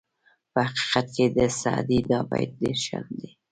په حقیقت کې د سعدي دا بیت ډېر ښه دی.